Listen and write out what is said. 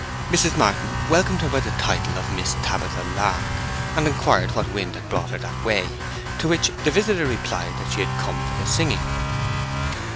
Mrs. Martin welcomed her by the title of Miss Tabitha Lark, and inquired what wind had brought her that way; to which the visitor replied that she had come for the singing.